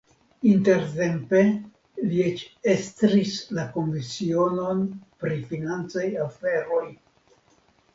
Intertempe li eĉ estris la komisiononon pri financaj aferoj.